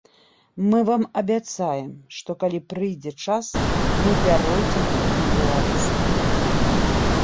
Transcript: Мы вам абяцаем, што калі прыйдзе час, мы пяройдзем на беларускую.